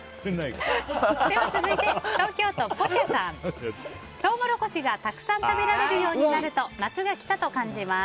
では続いて東京都の方。トウモロコシがたくさん食べられるようになると夏が来たと感じます。